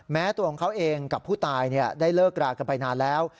ตัวของเขาเองกับผู้ตายได้เลิกรากันไปนานแล้ว